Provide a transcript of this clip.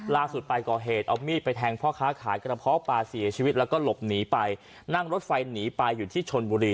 ล่าสุดไปก่อเหตุเอามีดไปแทงพ่อค้าขายกระเพาะปลาเสียชีวิตแล้วก็หลบหนีไปนั่งรถไฟหนีไปอยู่ที่ชนบุรี